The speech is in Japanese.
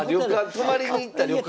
泊まりに行った旅館で。